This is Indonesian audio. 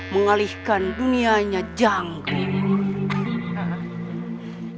mengalihkan dunianya janggung